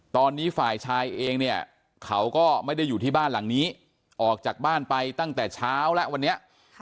ตอนนี้ฝ่ายชายเองเนี่ยเขาก็ไม่ได้อยู่ที่บ้านหลังนี้ออกจากบ้านไปตั้งแต่เช้าแล้ววันนี้